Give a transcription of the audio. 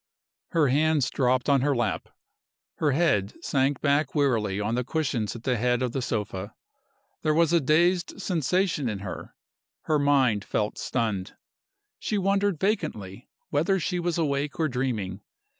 Her hands dropped on her lap; her head sank back wearily on the cushions at the head of the sofa. There was a dazed sensation in her: her mind felt stunned. She wondered vacantly whether she was awake or dreaming.